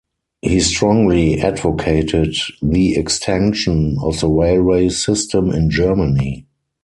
He strongly advocated the extension of the railway system in Germany.